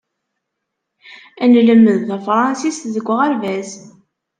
Nlemmed tafṛensist deg uɣerbaz.